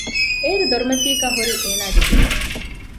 އޭރު ދޮރުމަތީގައި ހުރީ އޭނަގެ ބޭބޭ